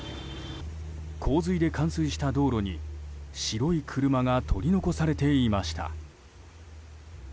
洪水で冠水した道路に白い車が取り残されていました。